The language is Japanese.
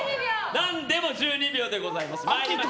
何でも１２秒でございます。